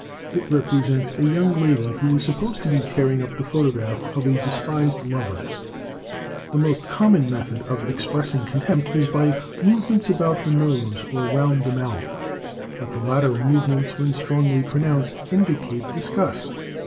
It represents a young lady, who is supposed to be tearing up the photograph of a despised lover. Scorn and Disdain. Plate V The most common method of expressing contempt is by movements about the nose, or round the mouth; but the latter movements, when strongly pronounced, indicate disgust.